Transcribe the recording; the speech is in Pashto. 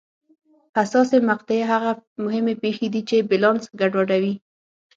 حساسې مقطعې هغه مهمې پېښې دي چې بیلانس ګډوډوي.